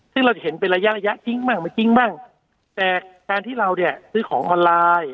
ซึ่งเราจะเห็นเป็นระยะระยะจริงบ้างไม่จริงบ้างแต่การที่เราเนี่ยซื้อของออนไลน์